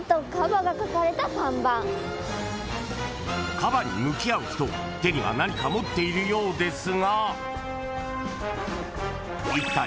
［カバに向き合う人手には何か持っているようですが］